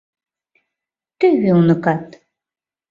— Тӧвӧ уныкат!